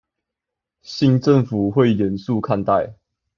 新政府會嚴肅看待